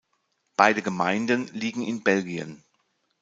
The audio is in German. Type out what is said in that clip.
Beide Gemeinden liegen in Belgien.